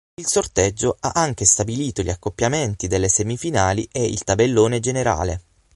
Il sorteggio ha anche stabilito gli accoppiamenti delle semifinali e il tabellone generale.